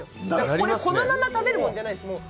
これ、そのまま食べるもんじゃないです。